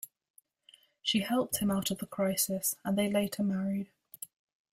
She helped him out of the crisis, and they later married.